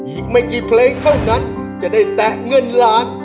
อีกไม่กี่เพลงเท่านั้นจะได้แตะเงินล้าน